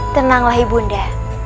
tenanglah ibu undah